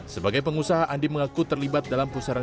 sebagai pengusaha andi mengaku terlibat dalam pusaran